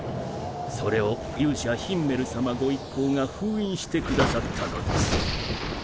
それを勇者ヒンメル様ご一行が封印してくださったのです。